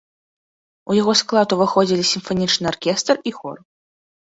У яго склад уваходзілі сімфанічны аркестр і хор.